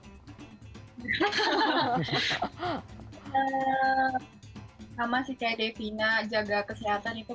sama cina zhata ketamaran dan juga apalagi menjalankan bulan puasa jadi saminya harus lebih lebih dijaga kemudian pulang reg hp leave